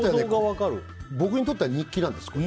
僕にとっては日記なんです。